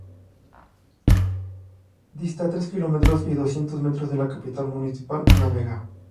Dista tres kilómetros y doscientos metros de la capital municipal, La Vega.